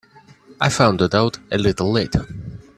I found it out a little late.